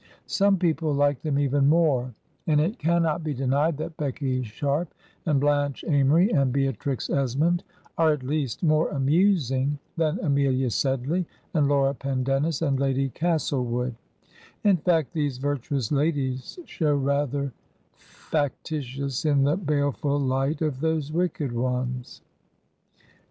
Some people like them even more; and it cam not be denied that Becky Sharp, and Blsuiche Amory, and Beatrix Esmond axe at least more amusing than AmeUa Sedley, and Laura Pendennis, and Lady Castle wood ; in fact,, these virtuous ladies show rather fac titious in the baleful Ught of those wicked ones.